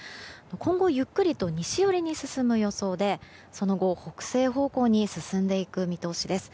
今後、ゆっくりと西寄りに進む予想でその後、北西方向に進んでいく見通しです。